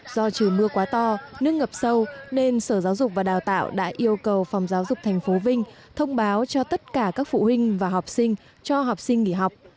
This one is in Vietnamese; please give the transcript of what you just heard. do trừ mưa quá to nước ngập sâu nên sở giáo dục và đào tạo đã yêu cầu phòng giáo dục tp vinh thông báo cho tất cả các phụ huynh và học sinh cho học sinh nghỉ học